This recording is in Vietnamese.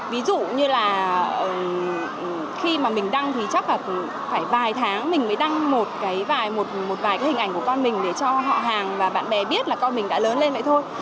ví dụ như là khi mà mình đăng thì chắc là phải vài tháng mình mới đăng một cái vài một vài cái hình ảnh của con mình để cho họ hàng và bạn bè biết là con mình đã lớn lên vậy thôi